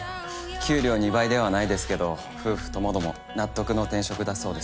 給料２倍ではないですけど夫婦ともども納得の転職だそうです。